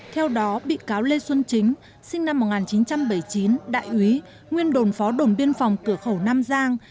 theo đó bị cáo lê xuân chính sinh năm một nghìn chín trăm bảy mươi chín đại úy nguyên đồn phó đồn biên phòng cửa khẩu nam giang